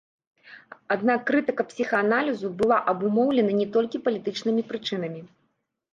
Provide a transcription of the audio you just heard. Аднак крытыка псіхааналізу была абумоўлена не толькі палітычнымі прычынамі.